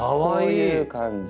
こういう感じ。